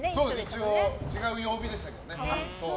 一応、違う曜日でしたけどね。